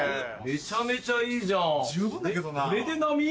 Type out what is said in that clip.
めちゃめちゃいいじゃんこれで並？